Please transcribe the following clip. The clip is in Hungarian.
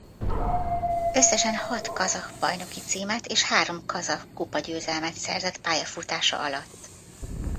Összesen hat kazah bajnoki címet és három kazah kupagyőzelmet szerzett pályafutása alatt.